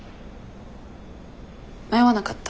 迷わなかった？